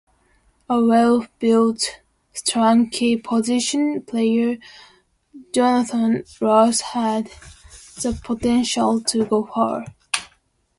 A well-built, strong key position player, Jonathon Ross had the potential to go far.